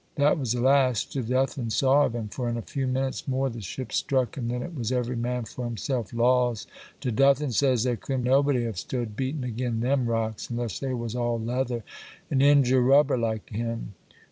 That was the last Jeduthan saw of him, for in a few minutes more the ship struck, and then it was every man for himself. Laws! Jeduthan says there couldn't nobody have stood beatin' agin them rocks unless they was all leather and inger rubber like him.